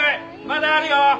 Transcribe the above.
まだあるよ！